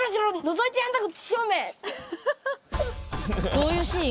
どういうシーン？